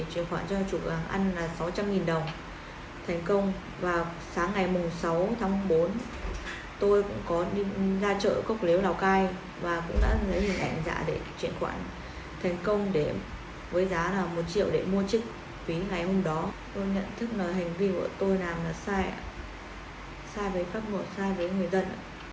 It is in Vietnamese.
tôi nhận thức là hình vi của tôi làm là sai sai với pháp ngộ sai với người dân